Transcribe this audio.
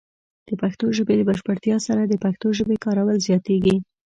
د پښتو ژبې د بشپړتیا سره، د پښتو ژبې کارول زیاتېږي.